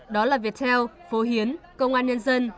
đó là viettel phố hiến công an nhân dân